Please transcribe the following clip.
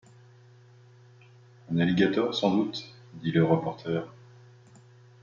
Un alligator, sans doute ? dit le reporter